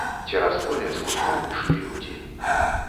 Цераз поле, з кустоў, ішлі людзі.